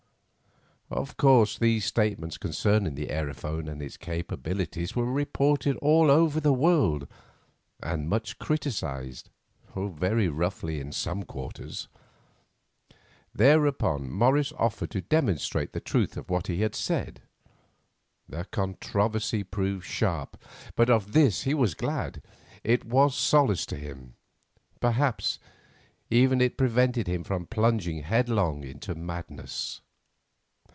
Of course these statements concerning the aerophone and its capabilities were reported all over the world and much criticised—very roughly in some quarters. Thereupon Morris offered to demonstrate the truth of what he had said. The controversy proved sharp; but of this he was glad; it was a solace to him, perhaps even it prevented him from plunging headlong into madness.